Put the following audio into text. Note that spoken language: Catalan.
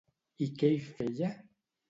I què hi feia?